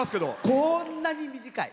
こんなに短い！